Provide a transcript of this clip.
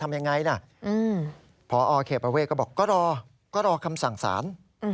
ว่าเคประเวทก็บอกก็รอคำสั่งสาร